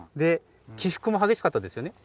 起伏も激しかったですよね。